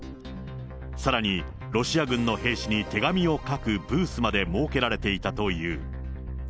さらにロシア軍の兵士に手紙を書くブースまで設けられていたという。